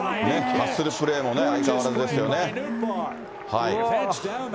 ハッスルプレーも相変わらずですよね。